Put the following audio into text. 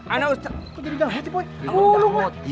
anak usah kok jadi gamut sih boy